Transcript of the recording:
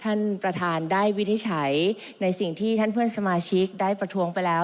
ท่านประธานได้วินิจฉัยในสิ่งที่ท่านเพื่อนสมาชิกได้ประท้วงไปแล้ว